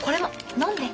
飲んで。